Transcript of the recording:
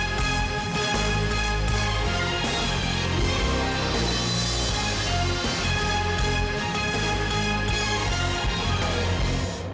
โปรดติดตามตอนต่อไป